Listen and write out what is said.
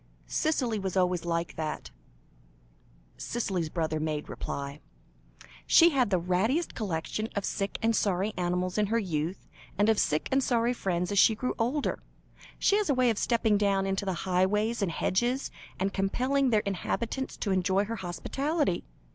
"Cicely was always like that," Cicely's brother made reply. "She had the rattiest collection of sick and sorry animals in her youth, and of sick and sorry friends as she grew older. She has a way of stepping down into the highways and hedges, and compelling their inhabitants to enjoy her hospitality.